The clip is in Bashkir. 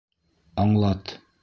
Аңлат!